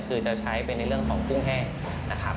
คือจะใช้เป็นในเรื่องของกุ้งแห้งนะครับ